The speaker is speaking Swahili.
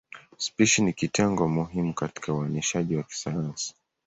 Spishi ni kitengo muhimu katika uainishaji wa kisayansi.